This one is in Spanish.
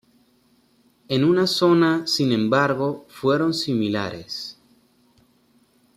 En una zona sin embargo, fueron similares.